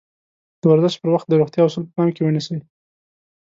د ورزش پر وخت د روغتيا اَصول په پام کې ونيسئ.